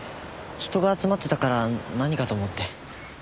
人が集まってたから何かと思って。